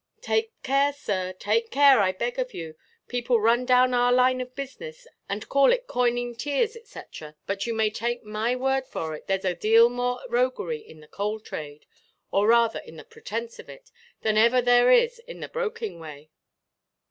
"Take care, sir, take care, I beg of you. People run down our line of business, and call it coining tears, &c. but you may take my word for it, there is a deal more roguery in the coal trade, or rather in the pretence of it, than ever there is in the broking way."